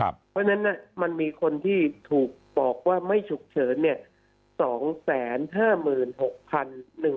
เพราะฉะนั้นมันมีคนที่ถูกบอกว่าไม่ฉุกเฉินเนี่ย